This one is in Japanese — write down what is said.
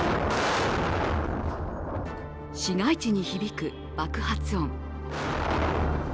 市街地に響く爆発音。